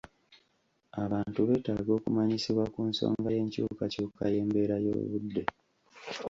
Abantu beetaaga okumanyisibwa ku nsonga y'enkyukakyuka y'embeera y'obudde.